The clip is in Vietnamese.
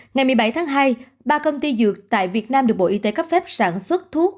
ngày một mươi bảy tháng hai ba công ty dược tại việt nam được bộ y tế cấp phép sản xuất thuốc